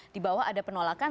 di bawah ada penolakan